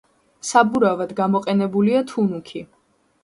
საბურავად გამოყენებულია თუნუქი.